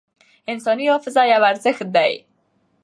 انساني حافظه یو ارزښت دی.